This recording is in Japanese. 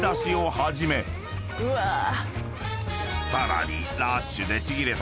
［さらに］